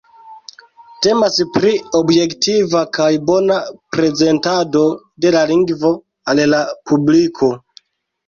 Temas pri objektiva kaj bona prezentado de la lingvo al la publiko.